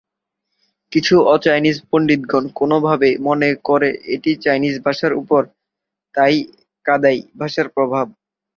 কিছু অ-চাইনিজ পণ্ডিতগণ, কোনভাবে, মনে করে এটি চাইনিজ ভাষার উপর তাই-কাদাই ভাষার প্রভাব।